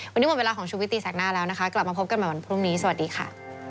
วันนี้หมดเวลาของชุวิตตีแสกหน้าแล้วนะคะกลับมาพบกันใหม่วันพรุ่งนี้สวัสดีค่ะ